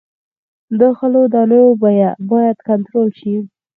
د غلو دانو بیه باید کنټرول شي.